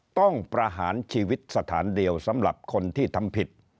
ประหารชีวิตสถานเดียวสำหรับคนที่ทำผิด